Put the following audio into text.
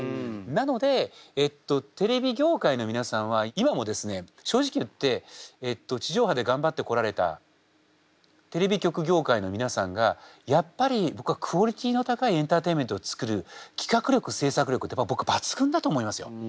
なのでえっとテレビ業界の皆さんは今もですね正直言って地上波で頑張ってこられたテレビ局業界の皆さんがやっぱり僕はクオリティーの高いエンターテインメントを作る企画力制作力って僕抜群だと思いますよ。